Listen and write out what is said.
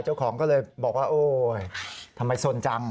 เจ้าของก็เลยบอกว่าโอ๊ยทำไมสนจัง